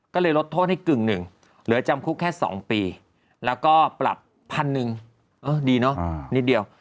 ก็เลยลดโทษให้กึ่งหนึ่งเหลือจำคุกแค่๒ปีแล้วก็ปรับพันหนึ่งเออดีเนอะนิดเดียว